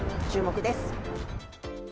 注目です。